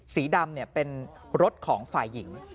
สีดำเป็นรถของฝ่ายหญิง